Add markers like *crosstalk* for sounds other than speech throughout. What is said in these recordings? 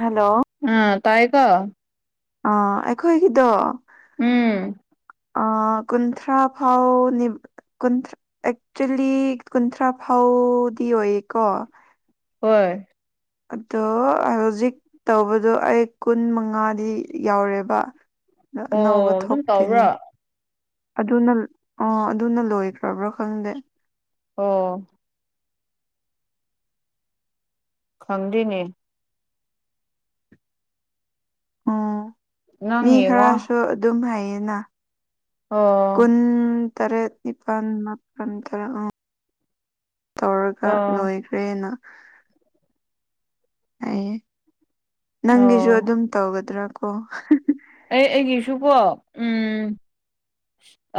hello ꯎꯝ ꯇꯥꯏꯌꯦꯀꯣ ꯑꯥ ꯑꯩꯈꯣꯢꯒꯤꯗꯣ ꯎꯝ ꯑꯥ ꯀꯨꯟꯊ꯭ꯔꯥ ꯐꯥꯎꯅꯤ ꯀꯨꯟꯊ ꯑꯦꯛꯆ꯭ꯋꯦꯜꯂꯤ ꯀꯨꯟꯊ꯭ꯔꯥ ꯐꯥꯎꯗꯤ ꯑꯣꯢꯌꯦꯀꯣ ꯍꯣꯢ ꯑꯗꯣ ꯍꯧꯖꯤꯛ ꯇꯧꯕꯗꯣ ꯑꯩ ꯀꯨꯟ ꯃꯉꯥꯗꯤ ꯌꯧꯔꯦꯕ ꯅ ꯑꯅꯥꯎꯕ ꯑꯣ ꯑꯗꯨꯝ ꯊꯣꯛꯇꯦꯅꯦ ꯇꯧꯕ꯭ꯔꯥ ꯑꯗꯨꯅ ꯑꯥ ꯑꯗꯨꯅ ꯂꯣꯢꯈ꯭ꯔꯕ꯭ꯔ ꯈꯪꯗꯦ ꯑꯣ ꯈꯪꯗꯦꯅꯦ ꯎꯝ ꯅꯪ ꯃꯤ ꯌꯦꯡꯉꯣ ꯈꯔꯁꯨ ꯑꯗꯨꯝ ꯍꯥꯢꯌꯦꯅ ꯑꯣ ꯀꯨꯟ ꯇꯔꯦꯠ ꯅꯤꯄꯥꯟ ꯃꯥꯄꯟ ꯇꯔꯥ ꯑꯣ ꯇꯧꯔꯒ ꯑꯣ ꯂꯣꯢꯈ꯭ꯔꯦꯅ ꯑꯩꯒꯤ ꯅꯪꯒꯤꯖꯨ ꯑꯣ ꯑꯗꯨꯝ ꯇꯧꯒꯗ꯭ꯔ ꯀꯣ ꯑꯩ ꯑꯩꯒꯤꯁꯨꯀꯣ ꯎꯝ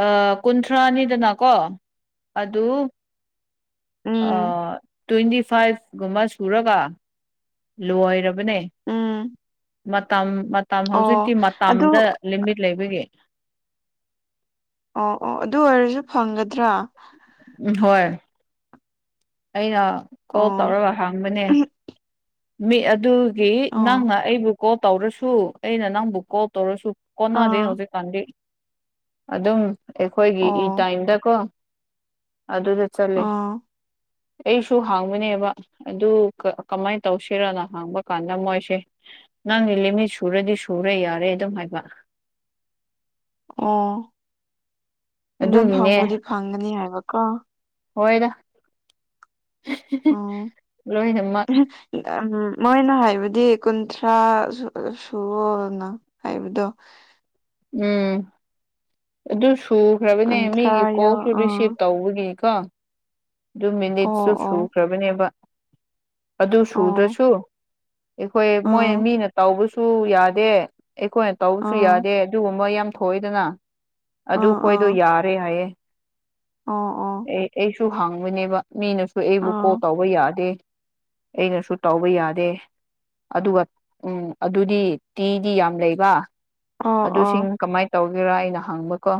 ꯑꯥ ꯀꯨꯟꯊ꯭ꯔꯥꯅꯤꯗꯅꯀꯣ ꯑꯗꯨ ꯎꯝ ꯑꯥ ꯇꯣꯏꯟꯗꯤ ꯐꯥꯏꯚ ꯒꯨꯝꯕ ꯁꯨꯔꯒ ꯂꯣꯢꯔꯕꯅꯦ ꯎꯝ ꯃꯇꯝ ꯃ ꯇꯝ ꯍꯧꯖꯤꯛꯇꯤ ꯑꯣ ꯃꯇꯝꯗ ꯑꯗꯨ ꯂꯤꯃꯤꯠ ꯂꯩꯕꯒꯤ ꯑꯣ ꯑꯣ ꯑꯗꯨ ꯑꯣꯢꯔꯖꯨ ꯐꯪꯒꯗ꯭ꯔꯥ ꯎꯝ ꯍꯣꯢ ꯑꯩꯅ ꯀꯣꯜ ꯑꯣ ꯇꯧꯔꯒ ꯍꯥꯡꯕꯅꯦ ꯃꯤ ꯑꯗꯨꯒꯤ ꯑꯣ ꯅꯪꯅ ꯑꯩꯕꯨ ꯀꯣꯜ ꯇꯧꯔꯁꯨ ꯑꯩꯅ ꯅꯪꯕꯨ ꯀꯣꯜ ꯇꯧꯔꯁꯨ ꯀꯣꯟꯅꯗꯦ ꯑꯥ ꯍꯧꯖꯤꯛꯀꯥꯟꯗꯤ ꯑꯗꯨꯝ ꯑꯦꯈꯣꯢꯒꯤ ꯏ ꯑꯣ ꯇꯥꯏꯝꯗꯀꯣ ꯑꯗꯨꯗ ꯆꯜꯂꯦ ꯑꯥ ꯑꯩꯁꯨ ꯍꯥꯡꯕꯅꯦꯕ ꯑꯗꯨ ꯀ ꯀꯃꯥꯢ ꯇꯧꯁꯤꯔꯅ ꯍꯥꯡꯕ ꯀꯥꯟꯗ ꯃꯣꯢꯁꯦ ꯅꯪꯒꯤ ꯂꯤꯃꯤꯠ ꯁꯨꯔꯗꯤ ꯁꯨꯔꯦ ꯌꯥꯔꯦ ꯑꯗꯨꯝ ꯍꯥꯢꯕ ꯑꯣ ꯑꯗꯨꯝ ꯑꯗꯨꯒꯤꯅꯦ ꯐꯪꯕꯨꯗꯤ ꯐꯪꯒꯅꯤ ꯍꯥꯢꯕꯀꯣ ꯍꯣꯢꯗ ꯍꯦ ꯍꯦ ꯂꯣꯢꯅꯃꯛ ꯏ ꯑꯝ ꯃꯣꯢꯅ ꯍꯥꯢꯕꯗꯤ ꯀꯨꯟꯊ꯭ꯔꯥ ꯁꯨ ꯁꯨꯨꯋꯣꯅ ꯍꯥꯢꯕꯗꯣ ꯎꯝ ꯑꯗꯨ ꯁꯨ ꯈ꯭ꯔꯕꯅꯦ ꯀꯨꯟꯊ꯭ꯔꯥ ꯃꯤꯒꯤ ꯌꯧ ꯀꯣꯜꯁꯨ ꯑꯥ ꯔꯤꯁꯤꯚ ꯇꯧꯕꯒꯤ ꯀꯣ ꯗꯨ ꯑꯣ ꯃꯤꯅꯤꯠꯁꯨ ꯑꯣ ꯁꯨꯈ꯭ꯔꯕꯅꯦꯕ ꯑꯗꯨ ꯑꯣ ꯁꯨꯗ꯭ꯔꯁꯨ ꯑꯦꯈꯣꯢ ꯃꯣꯢꯅ ꯑꯥ ꯃꯤꯅ ꯇꯧꯕꯁꯨ ꯌꯥꯗꯦ ꯑꯦꯈꯣꯢꯅ ꯇꯧꯕꯁꯨ ꯑꯥ ꯌꯥꯗꯦ ꯑꯗꯨꯒꯨꯝꯕ ꯌꯥꯝ ꯊꯣꯢꯗꯅ ꯑꯗꯨ ꯑꯥ ꯈꯣꯢꯗꯣ ꯑꯥ ꯌꯥꯔꯦ ꯍꯥꯢꯌꯦ ꯑꯣ ꯑꯣ ꯑꯦ ꯑꯩꯁꯨ ꯍꯥꯡꯕꯅꯦꯕ ꯃꯤꯅꯁꯨ ꯑꯩꯕꯨ ꯀꯣꯜ ꯑꯥ ꯇꯧꯕ ꯌꯥꯗꯦ ꯑꯩꯅꯁꯨ ꯇꯧꯕ ꯌꯥꯗꯦ ꯑꯗꯨꯒ ꯎꯝ ꯑꯗꯨꯗꯤ ꯇꯤꯗꯤ ꯌꯥꯝ ꯂꯩꯕ ꯑꯣ ꯑꯣ ꯑꯗꯨꯁꯤꯡ ꯀꯃꯥꯏ ꯇꯧꯒꯦꯔ ꯑꯩꯅ ꯍꯪꯕꯀꯣ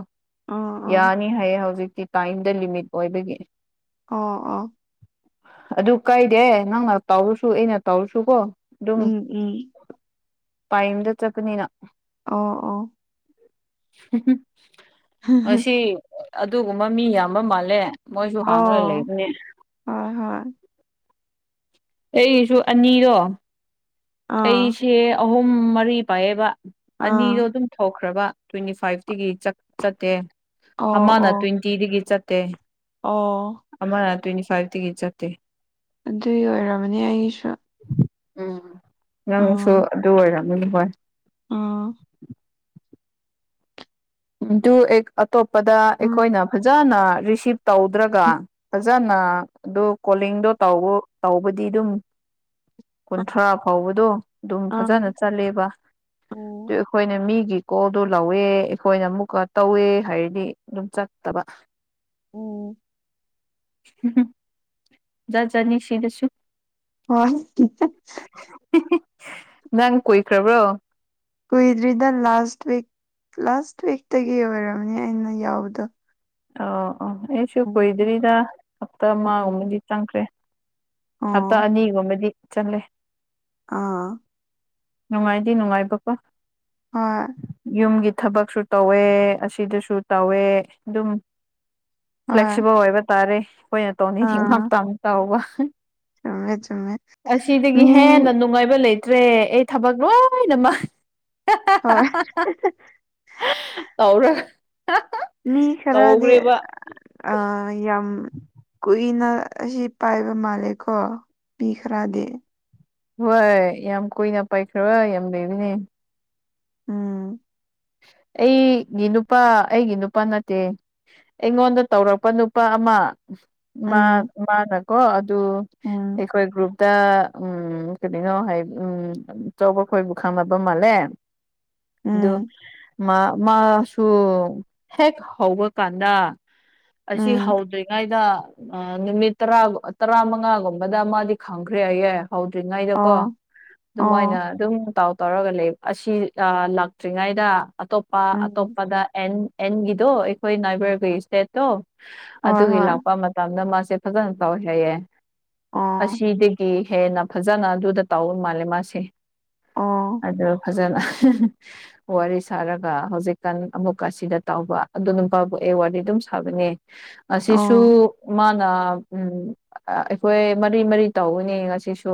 ꯑꯥ ꯑꯥ ꯌꯥꯅꯤ ꯍꯥꯏꯌꯦ ꯍꯧꯖꯤꯛꯇꯤ ꯇꯥꯏꯝꯗ ꯂꯤꯃꯤꯠ ꯑꯣꯏꯕꯒꯤ ꯑꯣ ꯑꯣ ꯑꯗꯨ ꯀꯥꯏꯗꯦ ꯅꯪꯅ ꯇꯧꯔꯨꯁꯨ ꯑꯩꯅ ꯇꯧꯔꯨꯁꯨ ꯀꯣ ꯑꯗꯨꯝ ꯎꯝ ꯎꯝ ꯇꯥꯏꯝꯗ ꯆꯠꯄꯅꯤꯅ ꯑꯣ ꯑꯣ *unintelligible* ꯑꯁꯤ ꯑꯗꯨꯒꯨꯝꯕ ꯃꯤ ꯌꯥꯝꯕ ꯃꯥꯜꯂꯦ ꯃꯣꯏꯁꯨ ꯍꯡꯉꯒ ꯑꯣ ꯂꯩꯕꯅꯦ ꯍꯣꯏ ꯍꯣꯏ ꯑꯩꯁꯨ ꯑꯅꯤꯗꯣ ꯑꯥ ꯑꯩꯁꯦ ꯑꯍꯨꯝ ꯃꯔꯤ ꯄꯥꯏꯌꯦꯕ ꯑꯅꯤꯗꯣ ꯑꯥ ꯗꯨꯝ ꯊꯣꯛꯈ꯭ꯔꯕ ꯇ꯭ꯋꯦꯟꯇꯤ ꯐꯥꯏꯞꯇꯒꯤ ꯆꯛ ꯆꯠꯇꯦ ꯑꯣ ꯑꯃꯅ ꯑꯣ ꯇ꯭ꯋꯦꯟꯇꯤꯗꯒꯤ ꯆꯠꯇꯦ ꯑꯣ ꯑꯃꯅ ꯇ꯭ꯋꯦꯟꯇꯤ ꯐꯥꯏꯞꯇꯒꯤ ꯆꯠꯇꯦ ꯑꯗꯨꯏ ꯑꯣꯏꯔꯝꯃꯅꯤ ꯑꯩꯁꯨ ꯎꯝ ꯅꯪꯁꯨ ꯑꯗꯨ ꯑꯣꯏꯔꯝꯅꯤ ꯍꯣꯏ ꯎꯝ ꯑꯗꯨ ꯑꯩꯛ ꯑꯇꯣꯞꯄꯗ ꯎꯝ ꯑꯩꯈꯣꯏꯅ ꯐꯖꯅ ꯔꯤꯁꯤꯞ ꯇꯧꯗ꯭ꯔꯒ ꯎꯝ ꯐꯖꯅ ꯑꯗꯨ ꯀꯣꯂꯤꯡꯗꯣ ꯇꯧꯑꯣ ꯇꯧꯕꯗꯤ ꯑꯗꯨꯝ ꯀꯨꯟꯊ꯭ꯔꯥ ꯐꯥꯎꯕꯗꫭ ꯑꯗꯨꯝ ꯑꯥ ꯐꯖꯅ ꯆꯠꯂꯦꯕ ꯑꯗꯨ ꯎꯝ ꯑꯩꯈꯣꯏꯅ ꯃꯤꯒꯤ ꯀꯣꯜꯗꯣ ꯂꯧꯋꯦ ꯑꯩꯈꯣꯏꯅ ꯑꯃꯨꯛꯀ ꯇꯧꯋꯦ ꯍꯥꯏꯔꯗꯤ ꯑꯗꯨꯝ ꯆꯠꯇꯕ ꯎꯝ *unintelligible* ꯖꯥꯠ ꯖꯥꯠꯅꯤ ꯁꯤꯗꯁꯨ ꯍꯣꯏ *unintelligible* *unintelligible* ꯅꯪ ꯀꯨꯏꯈ꯭ꯔꯕ꯭ꯔꯣ ꯀꯨꯏꯗ꯭ꯔꯤꯗ ꯂꯥꯁ ꯋꯤꯛ ꯂꯥꯁ ꯋꯤꯛꯇꯒꯤ ꯑꯣꯏꯔꯝꯅꯤ ꯑꯩꯅ ꯌꯥꯎꯕꯗꯣ ꯑꯣ ꯑꯣ ꯑꯩꯁꯨ ꯎꯝ ꯀꯨꯏꯗ꯭ꯔꯤꯗ ꯍꯞꯇꯥ ꯎꯝ ꯑꯃꯒꯨꯝꯕꯗꯤ ꯆꯪꯈ꯭ꯔꯦ ꯍꯞꯇꯥ ꯑꯣ ꯑꯅꯤꯒꯨꯝꯕꯗꯤ ꯆꯠꯂꯦ ꯑꯥ ꯅꯨꯡꯉꯥꯏꯗꯤ ꯅꯨꯡꯉꯥꯏꯕꯀꯣ ꯍꯣꯏ ꯌꯨꯝꯒꯤ ꯊꯕꯛꯁꯨ ꯇꯧꯋꯦ ꯑꯁꯤꯗꯁꯨ ꯇꯧꯋꯦ ꯑꯗꯨꯝ ꯍꯣꯏ ꯐ꯭ꯂꯦꯛꯁꯤꯕꯜ ꯑꯣꯏꯕ ꯇꯥꯔꯦ ꯑꯩꯈꯣꯏꯅ ꯇꯧꯅꯤꯡꯕ ꯑꯥ ꯃꯇꯝꯗ ꯇꯧꯕ ꯆꯨꯝꯃꯦ ꯆꯨꯝꯃꯦ ꯑꯁꯤꯗꯒꯤ ꯃꯤ ꯍꯦꯟꯅ ꯅꯨꯡꯉꯥꯏꯕ ꯂꯩꯇ꯭ꯔꯦ ꯑꯩ ꯊꯕꯛ ꯂꯣꯏꯅꯃꯛ ꯍꯣꯏ *unintelligible* ꯇꯧꯔꯒ *unintelligible* ꯃꯤ ꯈꯔꯗꯤ ꯑ ꯌꯥꯝ ꯀꯨꯏꯅ ꯑꯁꯤ ꯄꯥꯏꯕ ꯃꯥꯜꯂꯦꯀꯣ ꯃꯤ ꯈꯔꯗꯤ ꯍꯣꯏ ꯌꯥꯝ ꯀꯨꯏꯅ ꯄꯥꯏꯈ꯭ꯔꯕ ꯌꯥꯝ ꯂꯩꯕꯅꯦ ꯎꯝ ꯑꯩꯒꯤ ꯅꯨꯄꯥ ꯑꯩꯒꯤ ꯅꯨꯄꯥ ꯅꯠꯇꯦ ꯑꯩꯉꯣꯟꯗ ꯇꯧꯔꯛꯄ ꯅꯨꯄꯥ ꯑꯃ ꯃꯥ ꯎꯝ ꯃꯥꯅꯀꯣ ꯑꯗꯨ ꯎꯝ ꯑꯩꯈꯣꯏ ꯒ꯭ꯔꯨꯞ ꯇ ꯎꯝ ꯀꯔꯤꯅꯣ ꯍꯥꯏ ꯎꯝ ꯑꯆꯧꯕ ꯑꯈꯣꯏꯕꯨ ꯈꯪꯅꯕ ꯃꯥꯜꯂꯦ ꯑꯗꯨ ꯎꯝ ꯃꯥ ꯃꯥꯁꯨ ꯍꯦꯛ ꯍꯧꯕ ꯀꯥꯟꯗ ꯑꯁꯤ ꯎꯝ ꯍꯧꯗ꯭ꯔꯤꯉꯩꯗ ꯑꯥ ꯅꯨꯃꯤꯠ ꯇꯔꯥ ꯇꯔꯥ ꯃꯉꯥꯒꯨꯝꯕꯗ ꯃꯥꯗꯤ ꯈꯪꯈ꯭ꯔꯦ ꯍꯥꯏꯌꯦ ꯍꯧꯗ꯭ꯔꯤꯉꯩꯗ ꯀꯣ ꯑꯣ ꯑꯗꯨꯃꯥꯏꯅ ꯑꯣ ꯑꯗꯨꯝ ꯇꯥꯎ ꯇꯥꯎꯔꯒ ꯂꯩ ꯑꯁꯤ ꯑꯥ ꯂꯥꯛ ꯇ꯭ꯔꯤꯉꯩꯗ ꯑꯇꯣꯞꯄ ꯎꯝ ꯑꯇꯣꯞꯄꯗ ꯑꯦꯟ ꯑꯦꯟꯒꯤꯗꯣ ꯑꯩꯈꯣꯏ ꯅꯥꯏꯕꯔꯒꯤ ꯏꯁꯇꯦꯠꯇꯣ ꯍꯣꯏ ꯑꯗꯨꯒꯤ ꯍꯣꯏ ꯂꯥꯛꯄ ꯃꯇꯝꯗ ꯃꯥꯁꯦ ꯐꯖꯅ ꯇꯧꯋꯦ ꯍꯥꯏꯌꯦ ꯑꯣ ꯑꯁꯤꯗꯒꯤ ꯍꯦꯟꯅ ꯐꯖꯅ ꯑꯗꯨꯗ ꯇꯥꯎꯕ ꯃꯥꯜꯂꯦ ꯃꯥꯁꯦ ꯑꯣ ꯑꯗꯨ ꯐꯖꯅ ꯋꯥꯔꯤ ꯁꯥꯔꯒ ꯍꯧꯖꯤꯛꯀꯥꯟ ꯑꯃꯨꯛꯀ ꯑꯁꯤꯗ ꯇꯧꯕ ꯑꯗꯨ ꯑꯗꯨꯝ ꯐꯥꯎꯕꯣꯛ ꯑꯩ ꯋꯥꯔꯤ ꯑꯗꯨꯝ ꯐꯕꯅꯦ ꯑꯁꯤꯁꯨ ꯑꯣ ꯃꯥꯅ ꯎꯝ ꯑꯩꯈꯣꯏ ꯃꯔꯤ ꯃꯔꯤ ꯇꯧꯕꯅꯦ ꯉꯁꯤꯁꯨ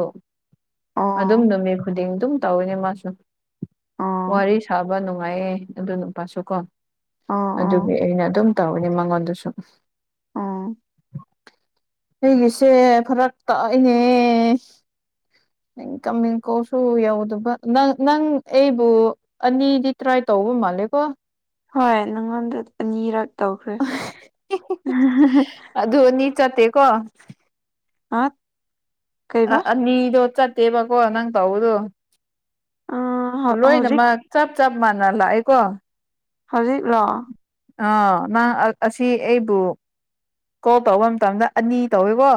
ꯑꯗꯨꯝ ꯑꯣ ꯅꯨꯃꯤꯠ ꯈꯨꯗꯤꯡ ꯑꯗꯨꯝ ꯇꯧꯋꯤꯅꯦ ꯃꯥꯁꯨ ꯑꯣ ꯋꯥꯔꯤ ꯁꯥꯕ ꯅꯨꯡꯉꯥꯏꯌꯦ ꯑꯗꯨ ꯅꯨꯄꯥꯁꯨꯀꯣ ꯑꯣ ꯑꯗꯨꯒꯤ ꯑꯣ ꯑꯩꯅ ꯑꯗꯨꯝ ꯇꯧꯕꯅꯦ ꯃꯉꯣꯟꯗꯁꯨꯨ ꯑꯣ ꯑꯩꯒꯤꯁꯦ ꯐꯔꯛ ꯇꯥꯏꯅꯦ ꯏꯟꯀꯃꯤꯡ ꯀꯣꯜꯁꯨ ꯌꯧꯗꯕ ꯅꯪ ꯅꯪ ꯑꯩ ꯕꯨ ꯑꯅꯤꯗꯤ ꯇ꯭ꯔꯥꯏ ꯇꯧꯕ ꯃꯥꯜꯂꯦꯀꯣ ꯍꯣꯏ ꯅꯪꯉꯣꯟꯗ ꯑꯅꯤꯔꯛ ꯇꯧꯈ꯭ꯔꯦ ꯑꯗꯨ ꯑꯅꯤ ꯆꯠꯇꯦ ꯀꯣ ꯑꯥꯠ ꯑꯅꯤꯗꯣ ꯆꯠꯇꯦꯕꯀꯣ ꯅꯪ ꯇꯧꯕꯗꯨ ꯑ ꯍꯧꯖꯤꯛ ꯂꯣꯏꯅꯃꯛ ꯆꯞ ꯆꯞ ꯃꯥꯟꯅ ꯂꯥꯛꯑꯦꯀꯣ ꯍꯧꯖꯤꯛ ꯂꯣ ꯑ ꯅꯪ ꯑꯁꯤ ꯑꯩꯕꯨ ꯀꯣꯜ ꯇꯧꯕ ꯃꯇꯝꯗ ꯑꯅꯤ ꯇꯧꯋꯦꯀꯣ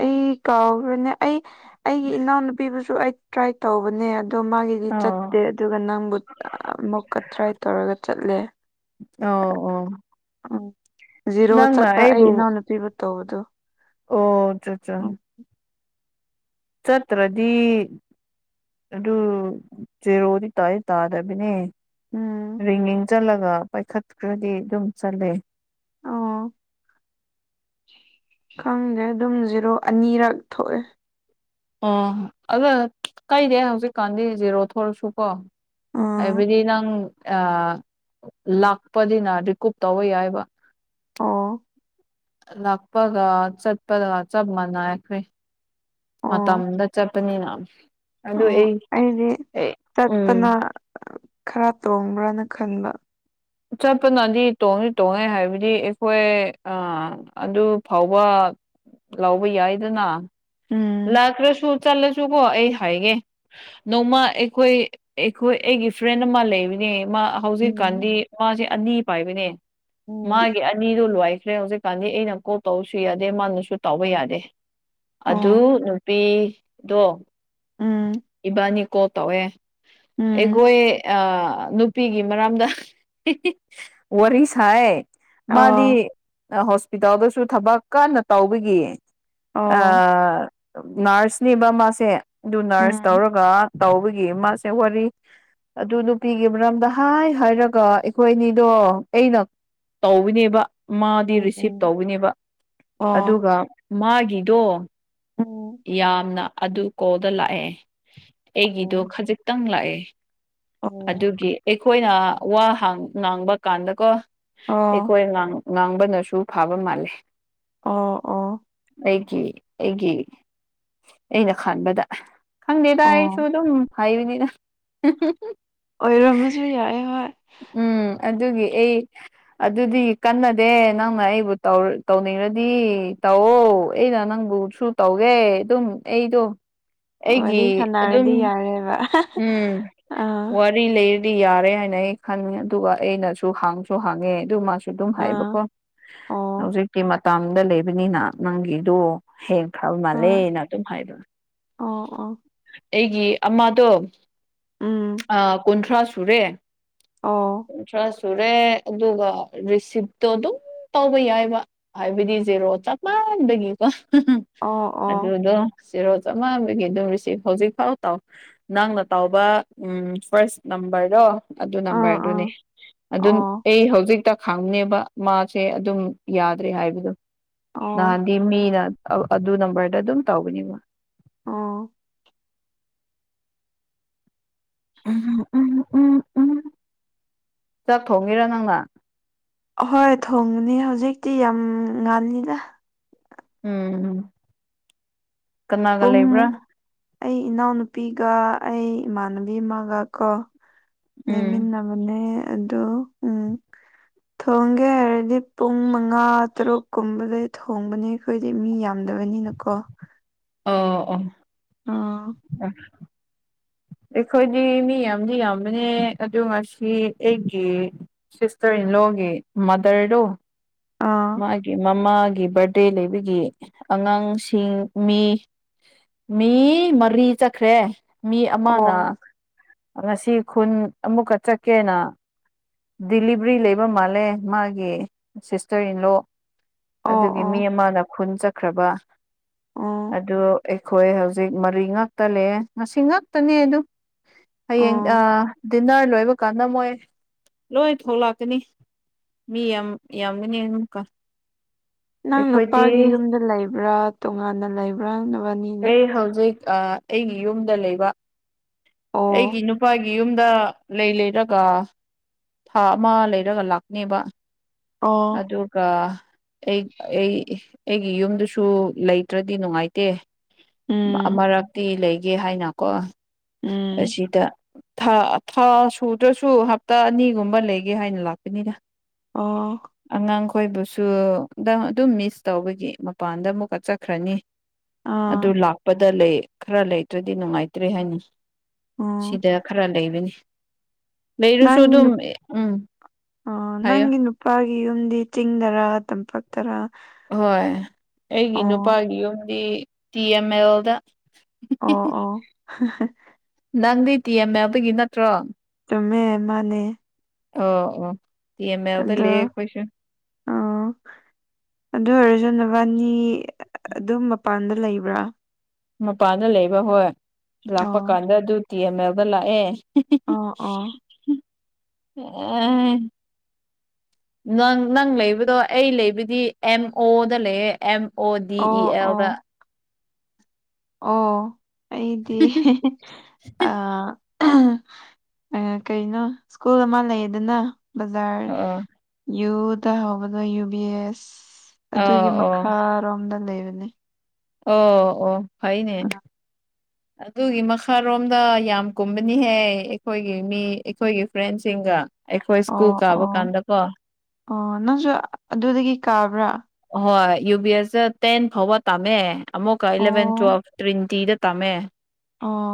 ꯑꯩ ꯀꯥꯎꯈ꯭ꯔꯅꯦ ꯑꯩ ꯑꯩꯒꯤ ꯏꯅꯥꯎꯅꯨꯄꯤꯕꯨꯁꯨ ꯑꯩ ꯇ꯭ꯔꯥꯏ ꯇꯧꯕꯅꯦ ꯑꯗꯣ ꯃꯥꯒꯤꯗꯤ ꯑꯣ ꯆꯠꯇꯦ ꯑꯗꯨꯒ ꯅꯪꯕꯨ ꯑꯃꯨꯛꯀ ꯇ꯭ꯔꯥꯏ ꯇꯧꯔꯒ ꯆꯠꯂꯦ ꯑꯣ ꯑꯣ ꯎꯝ ꯖꯤꯔꯣ ꯅꯪꯅ ꯆꯠꯄ ꯑꯩ ꯑꯩꯕꯨ ꯏꯅꯥꯎꯅꯨꯄꯤꯕꯨ ꯇꯧꯕꯗꯨ ꯑꯣ ꯆꯥꯆꯥ ꯆꯠꯇ꯭ꯔꯗꯤ ꯑꯗꯨ ꯖꯦꯔꯣꯗꯤ ꯇꯥꯏ ꯇꯥꯗꯕꯤꯅꯦ ꯎꯝ ꯔꯤꯡꯒꯤꯡ ꯆꯠꯂꯒ ꯄꯥꯏꯈꯠꯈ꯭ꯔꯗꯤ ꯑꯗꯨꯝ ꯆꯠꯂꯦ ꯑꯣ *inaudible* ꯈꯪꯗꯦ ꯑꯗꯨꯝ ꯖꯤꯔꯣ ꯑꯅꯤꯔꯛ ꯊꯣꯛꯑꯦ ꯑꯣ ꯑꯗ ꯀꯩꯗ ꯍꯧꯖꯤꯛꯀꯥꯟꯗꯤ ꯖꯦꯔꯣ ꯊꯣꯛꯂꯛꯁꯨ ꯀꯣ ꯎꯝ ꯍꯥꯏꯕꯗꯤ ꯅꯪ ꯂꯥꯛꯄꯅꯤꯅ ꯔꯤꯀꯨꯞ ꯇꯧꯕ ꯌꯥꯏꯕ ꯑꯣ ꯂꯥꯛꯄꯒ ꯆꯠꯄꯒ ꯆꯞ ꯃꯥꯟꯅꯈ꯭ꯔꯦ ꯑꯣ ꯃꯇꯝꯗ ꯆꯠꯄꯅꯤꯅ ꯑꯗꯨ ꯑꯣ ꯑꯩ ꯑꯩꯗꯤ ꯑꯦ ꯎꯝ ꯆꯠꯄꯅ ꯈꯔ ꯇꯣꯡꯕ꯭ꯔꯅ ꯈꯟꯕ ꯆꯠꯄꯅꯗꯤ ꯇꯣꯡꯗꯤ ꯇꯣꯡꯉꯦ ꯍꯥꯏꯕꯗꯤ ꯑꯩꯈꯣꯏ ꯑꯥ ꯑꯗꯨ ꯐꯥꯎꯕ ꯂꯧꯕ ꯌꯥꯏꯗꯅ ꯎꯝ ꯂꯥꯛꯇ꯭ꯔꯁꯨ ꯆꯠꯂꯁꯨꯀꯣ ꯑꯩ ꯍꯥꯏꯒꯦ ꯅꯣꯡꯃ ꯑꯩꯈꯣꯏ ꯑꯩꯈꯣꯏ ꯑꯩꯒꯤ ꯐ꯭ꯔꯦꯟ ꯑꯃ ꯂꯩꯕꯅꯦ ꯃꯥ ꯎꯝ ꯍꯧꯖꯤꯛꯀꯥꯟꯗꯤ ꯃꯥꯁꯦ ꯑꯅꯤ ꯄꯥꯏꯕꯅꯦ ꯎꯝ ꯃꯥꯒꯤ ꯅꯤꯗꯣ ꯂꯣꯏꯈ꯭ꯔꯦ ꯍꯧꯖꯤꯛꯀꯥꯟꯗꯤ ꯑꯩꯅ ꯀꯣꯜ ꯇꯧꯔꯁꯨ ꯌꯥꯗꯦ ꯃꯥꯅꯁꯨ ꯇꯥꯎꯕ ꯌꯥꯗꯦ ꯑꯗꯨ ꯑꯣ ꯅꯨꯄꯤꯗꯣ ꯎꯝ ꯏꯕꯥꯅꯤ ꯀꯣꯜ ꯇꯧꯑꯦ ꯎꯝ ꯑꯩꯈꯣꯏ ꯅꯨꯄꯤꯒꯤ ꯃꯔꯝꯗ ꯋꯥꯔꯤ ꯁꯥꯥꯏ ꯑꯣ ꯃꯥꯗꯤ ꯍꯣꯁꯄꯤꯇꯥꯜꯗꯁꯨ ꯊꯕꯛ ꯀꯟꯅ ꯇꯧꯕꯒꯤ ꯑꯣ ꯑꯥ ꯅꯔꯁꯅꯦꯕ ꯃꯥꯁꯦ ꯑꯗꯨ ꯅꯔꯁ ꯎꯝ ꯇꯧꯔꯒ ꯇꯧꯕꯒꯤ ꯃꯥꯁꯦ ꯋꯥꯔꯤ ꯑꯗꯨ ꯅꯨꯄꯤꯒꯤ ꯃꯔꯝꯗ ꯍꯥꯏ ꯍꯥꯏꯔꯒ ꯑꯩꯈꯣꯏꯅꯤꯗꯣ ꯑꯩꯅ ꯇꯧꯕꯅꯦꯕ ꯃꯥꯗꯤ ꯎꯝ ꯔꯤꯁꯤꯞ ꯎꯝ ꯇꯧꯕꯅꯦꯕ ꯑꯣ ꯑꯗꯨꯒ ꯃꯥꯒꯤꯗꯣ ꯑꯣ ꯌꯥꯝꯅ ꯑꯗꯨ ꯀꯣꯜꯗ ꯂꯥꯛꯑꯦ ꯑꯩꯒꯤꯗꯣ ꯑꯣ ꯈꯖꯤꯛꯇꯪ ꯂꯥꯛꯑꯦ ꯑꯣ ꯑꯗꯨꯒꯤ ꯑꯩꯈꯣꯏꯅ ꯋꯥ ꯉꯥꯡꯕꯀꯥꯟꯗꯀꯣ ꯑꯣ ꯑꯩꯈꯣꯏ ꯉꯥꯡꯕꯅꯁꯨ ꯐꯥꯕ ꯃꯥꯜꯂꯤ ꯑꯣ ꯑꯣ ꯑꯩꯒꯤ ꯑꯩꯒꯤ ꯑꯩꯅ ꯈꯥꯟꯕꯗ ꯈꯪꯗꯦꯗ ꯑꯩꯁꯨ ꯑꯣ ꯑꯗꯨꯝ ꯍꯥꯏꯕꯅꯤꯅ ꯑꯣꯏꯔꯝꯕꯁꯨ ꯌꯥꯏꯌꯦ ꯍꯣꯏ ꯎꯝ ꯑꯗꯨꯒꯤ ꯑꯩ ꯑꯗꯨꯗꯤ ꯀꯟꯅꯗꯦ ꯅꯪꯅ ꯑꯩꯕꯨ ꯇꯧꯔ ꯇꯧꯅꯤꯡꯔꯗꯤ ꯇꯧꯑꯣ ꯑꯩꯅ ꯅꯪꯕꯨ ꯁꯨ ꯇꯧꯒꯦ ꯑꯗꯨꯝ ꯑꯩꯗꯣ ꯋꯥꯔꯤ ꯑꯩꯒꯤ ꯑꯗꯨꯝ ꯁꯥꯟꯅꯔꯗꯤ ꯌꯥꯔꯦꯕ ꯍꯨꯝ ꯑꯥ ꯍꯣꯏ ꯀꯔꯤ ꯂꯩꯔꯗꯤ ꯌꯥꯔꯦ ꯍꯥꯏꯅ ꯑꯩ ꯈꯟꯕꯅꯦ ꯑꯗꯨꯒ ꯑꯩꯅꯁꯨ ꯍꯥꯡꯁꯨ ꯍꯥꯡꯉꯦ ꯑꯗꯨ ꯃꯥꯁꯨ ꯁꯤ ꯑꯗꯨꯝ ꯑꯥ ꯍꯥꯏꯕꯀꯣ ꯑꯣ ꯍꯧꯖꯤꯛꯇꯤ ꯃꯇꯥꯝꯗ ꯂꯩꯕꯅꯤꯅ ꯅꯪꯒꯤꯗꯣ ꯍꯦꯡꯈ꯭ꯔꯕ ꯍꯣꯏ ꯃꯥꯜꯂꯦꯅ ꯑꯗꯨꯝ ꯍꯥꯏꯗꯣ ꯑꯣ ꯑꯣ ꯑꯩꯒꯤ ꯑꯃꯗꯣ ꯎꯝ ꯑ ꯀꯨꯟꯊ꯭ꯔꯥ ꯁꯨꯔꯦ ꯑꯣ ꯀꯨꯟꯊ꯭ꯔꯥ ꯁꯨꯨꯔꯦ ꯑꯗꯨꯒ ꯔꯤꯁꯤꯞꯇꯣ ꯑꯗꯨꯝ ꯇꯧꯕ ꯌꯥꯏꯕ ꯍꯥꯏꯕꯗꯤ ꯖꯦꯔꯣ ꯆꯞ ꯃꯥꯟꯕꯒꯤꯀꯣ ꯑꯣ ꯑꯣ ꯑꯗꯨꯗꯣ ꯖꯦꯔꯣ ꯆꯝꯃꯥꯟꯕꯒꯤ ꯑꯗꯨꯝ ꯔꯤꯁꯤꯞ ꯍꯧꯖꯤꯛꯐꯥꯎ ꯇꯧ ꯅꯪꯅ ꯇꯥꯎꯕ ꯎꯝ ꯐꯥꯔꯁ ꯅꯝꯕꯔꯗꯣ ꯑꯗꯨ ꯑꯥ ꯅꯝꯕꯔꯗꯨꯅꯤ ꯑꯗꯨ ꯑꯥ ꯑꯩ ꯍꯧꯖꯤꯛꯇ ꯈꯥꯡꯅꯦꯕ ꯃꯥꯁꯦ ꯑꯗꯨꯝ ꯌꯥꯗ꯭ꯔꯦ ꯍꯥꯏꯕꯗꯣ ꯅꯍꯥꯟ ꯃꯤꯅ ꯑꯗꯨ ꯅꯝꯕꯔꯗ ꯑꯗꯨꯝ ꯇꯧꯒꯅꯤꯕ ꯑꯣ ꯎꯝ ꯎꯝ ꯎꯝ ꯎꯝ ꯆꯥꯛ ꯊꯣꯡꯉꯤꯔꯥ ꯅꯪꯅ ꯑꯍꯣꯏ ꯊꯣꯡꯒꯅꯤ ꯍꯧꯖꯤꯛꯇꯤ ꯌꯥꯝ ꯉꯥꯜꯂꯤꯗ ꯎꯝ ꯀꯅꯥꯒ ꯄꯨꯡ ꯂꯩꯕ꯭ꯔꯥ ꯑꯩ ꯏꯅꯥꯎꯅꯨꯄꯤꯒ ꯑꯩ ꯏꯃꯥꯟꯅꯕꯤ ꯑꯃꯒ ꯀꯣ ꯎꯝ ꯂꯩꯃꯤꯟꯅꯕꯅꯦ ꯑꯗꯣ ꯎꯝ ꯊꯣꯡꯒꯦ ꯍꯥꯏꯔꯗꯤ ꯄꯨꯡ ꯃꯉꯥ ꯇꯔꯨꯛ ꯀꯨꯝꯕꯗꯩ ꯊꯣꯡꯕꯅꯤ ꯑꯩꯈꯣꯏꯗꯤ ꯃꯤ ꯌꯥꯝꯗꯕꯅꯤꯅꯀꯣ ꯑꯣ ꯑꯣ ꯑꯥ ꯑ ꯑꯩꯈꯣꯏꯗꯤ ꯃꯤ ꯌꯥꯝꯗꯤ ꯌꯥꯝꯕꯅꯦ ꯑꯗꯨ ꯉꯁꯤ ꯑꯩꯒꯤ ꯁꯤꯁꯇꯔ ꯏꯟꯂꯣꯒꯤ ꯃꯥꯗꯔꯗꯨ ꯑꯥ ꯃꯥꯒꯤ ꯃꯃꯥꯒꯤ ꯕꯥꯔꯗꯦ ꯂꯩꯕꯒꯤ ꯑꯉꯥꯡꯁꯤꯡ ꯃꯤ ꯃꯤ ꯃꯔꯤ ꯆꯠꯈ꯭ꯔꯦ ꯃꯤ ꯑꯃꯅ ꯑꯣ ꯉꯁꯤ ꯈꯨꯟ ꯑꯃꯨꯛꯀ ꯆꯠꯀꯦꯅ ꯗꯤꯂꯤꯚ꯭ꯔꯤ ꯂꯩꯕ ꯃꯥꯜꯂꯦ ꯃꯥꯒꯤ ꯁꯤꯁꯇꯔ ꯏꯟ ꯂꯣ ꯑꯣ ꯑꯗꯨꯒꯤ ꯑꯣ ꯃꯤ ꯑꯃꯅ ꯈꯨꯟ ꯆꯠꯈ꯭ꯔꯕ ꯑꯣ ꯑꯗꯨ ꯑꯩꯈꯣꯏ ꯍꯧꯖꯤꯛ ꯃꯔꯤ ꯉꯛꯇ ꯂꯩ ꯉꯁꯤ ꯉꯛꯇꯅꯦ ꯑꯗꯨ ꯍꯌꯦꯡ ꯑ ꯑꯣ ꯗꯤꯟꯅꯔ ꯂꯣꯏꯕ ꯀꯥꯟꯗꯃꯣꯏ ꯂꯣꯏ ꯊꯣꯛꯂꯥꯛꯀꯅꯤ ꯃꯤ ꯌꯥꯝ ꯌꯥꯝꯒꯅꯤ ꯑꯗꯨꯝꯀ ꯅꯪ ꯅꯨꯄꯥꯒꯤ ꯌꯨꯝꯗ ꯂꯩꯕ꯭ꯔꯥ ꯇꯣꯉꯥꯟꯅ ꯂꯩꯕ꯭ꯔꯥ ꯅꯕꯅꯤ ꯑꯩ ꯍꯧꯖꯤꯛ ꯑꯥ ꯑꯩꯒꯤ ꯌꯨꯝꯗ ꯂꯩꯕ ꯑꯩꯒꯤ ꯑꯣ ꯅꯨ ꯅꯨꯄꯥꯒꯤ ꯌꯨꯝꯗ ꯂꯩ ꯂꯩꯔꯒ ꯊꯥ ꯑꯃ ꯂꯩꯔꯒ ꯂꯥꯛꯀꯅꯦꯕ ꯑꯣ ꯑꯗꯨꯒ ꯑꯩ ꯑꯩ ꯑꯩꯒꯤ ꯌꯨꯝꯗꯨꯁꯨ ꯂꯩꯇ꯭ꯔꯗꯤ ꯅꯨꯡꯉꯥꯏ ꯗꯦ ꯎꯝ ꯑꯃꯔꯛꯇꯤ ꯂꯩꯒꯦ ꯍꯥꯏꯅ ꯀꯣ ꯎꯝ ꯑꯁꯤꯗ ꯥ ꯊꯥ ꯁꯨꯗ꯭ꯔꯁꯨ ꯍꯞꯇꯥ ꯑꯅꯤꯒꯨꯝꯕ ꯂꯩꯒꯦ ꯍꯥꯏꯅ ꯂꯥꯛꯄꯅꯤꯅ ꯑꯣ ꯑꯉꯥꯡ ꯈꯣꯏꯕꯨꯁꯨ ꯅꯪ ꯑꯗꯨꯝ ꯃꯤꯁ ꯇꯧꯕꯒꯤ ꯃꯄꯥꯟꯗ ꯑꯃꯨꯛꯀ ꯆꯠꯈ꯭ꯔꯅꯤ ꯑꯗꯨ ꯑꯥ ꯂꯥꯛꯄꯗ ꯂꯩ ꯈ꯭ꯔ ꯂꯩꯇ꯭ꯔꯗꯤ ꯅꯨꯡꯉꯥꯏꯇ꯭ꯔꯦ ꯍꯥꯏꯅꯤ ꯎꯝ ꯁꯤꯗ ꯈꯔ ꯂꯩꯕꯅꯤ ꯂꯩꯔꯁꯨ ꯅꯪꯒꯤ ꯑꯗꯨꯝ ꯅꯨ ꯎꯝ ꯑꯥ ꯍꯥꯏꯌꯣ ꯅꯪꯒꯤ ꯅꯨꯄꯥꯒꯤ ꯌꯨꯝꯗꯤ ꯆꯤꯡꯗꯔꯥ ꯇꯝꯄꯛ ꯇꯔꯥ ꯍꯣꯏ ꯑꯩꯒꯤ ꯅꯨꯄꯥꯒꯤ ꯌꯨꯝꯗꯤ ꯇꯤ ꯑꯦꯝ ꯑꯦꯜꯗ ꯑꯣ ꯑꯣ *unintelligible* ꯅꯪꯗꯤ ꯇꯤ ꯑꯦꯝ ꯑꯦꯜꯗꯒꯤ ꯅꯠꯇ꯭ꯔꯣ ꯆꯨꯝꯃꯦ ꯃꯥꯟꯅꯦ ꯑꯣ ꯑꯣ ꯇꯤ ꯑꯦꯃ ꯑꯦꯜꯗ ꯑꯗꯣ ꯂꯩꯌꯦ ꯑꯈꯣꯏꯁꯨ ꯑꯥ ꯑꯗꯨ ꯑꯣꯏꯔꯁꯨ ꯅꯕꯥꯅꯤ ꯑꯗꯨꯝ ꯃꯄꯥꯟꯗ ꯂꯩꯕ꯭ꯔꯥ ꯃꯄꯥꯟꯗ ꯂꯩꯕ ꯍꯣꯏ ꯂꯥꯛꯄ ꯑꯣ ꯀꯥꯟꯗ ꯑꯗꯨ ꯇꯤ ꯑꯦꯝ ꯑꯦꯜꯗ ꯂꯥꯛꯑꯦ ꯑꯣ ꯑꯣ *unintelligible* ꯅꯪ ꯅꯪ ꯂꯩꯕꯗꯣ ꯑꯩ ꯂꯩꯕꯗꯤ ꯑꯦꯝ ꯑꯣꯗ ꯂꯩꯌꯦ ꯑꯦꯝ ꯑꯣ ꯗꯤ ꯏ ꯑꯦꯜꯗ ꯑꯣ ꯑꯩꯗꯤ *unintelligible* ꯑꯥ *unintelligible* ꯀꯩꯅꯣ ꯁ꯭ꯀꯨꯜ ꯑꯃ ꯂꯩꯌꯦꯗꯅ ꯕꯖꯥꯔ ꯑꯣ ꯌꯨꯗ ꯍꯧꯕꯗꯣ ꯌꯨ ꯕꯤ ꯑꯦꯁ ꯑꯗꯨꯒꯤ ꯑꯣ ꯑꯣ ꯃꯈꯥꯔꯣꯝꯗ ꯂꯩꯕꯅꯤ ꯑꯣ ꯑꯣ ꯐꯩꯏꯅꯦ ꯑꯗꯨꯒꯤ ꯃꯈꯥꯔꯣꯝꯗ ꯌꯥꯝ ꯀꯨꯝꯕꯅꯤꯍꯦ ꯑꯩꯈꯣꯏꯒꯤ ꯃꯤ ꯑꯩꯈꯣꯏꯒꯤ ꯐ꯭ꯔꯦꯟꯁꯤꯡꯒ ꯑꯩꯈꯣꯏ ꯁ꯭ꯀꯨꯜ ꯑꯣ ꯀꯥꯕ ꯑꯣ ꯀꯥꯟꯗ ꯀꯣ ꯑꯣ ꯅꯪꯁꯨ ꯑꯗꯨꯗꯒꯤ ꯀꯥꯕ꯭ꯔꯥ ꯍꯣꯏ ꯌꯨ ꯕꯤ ꯑꯦꯁꯇ ꯇꯦꯟ ꯐꯥꯎꯕ ꯇꯝꯃꯦ ꯑꯃꯨꯛꯀ ꯏꯂꯚꯦꯟ ꯑꯣ ꯇꯨꯋꯦꯜꯐ ꯇ꯭ꯔꯤꯅꯤꯇꯤꯗ ꯇꯝꯃꯦ ꯑꯣ